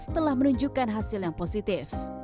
telah menunjukkan hasil yang positif